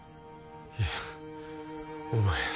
いやお前さ